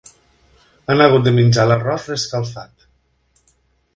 Han hagut de menjar l'arròs reescalfat.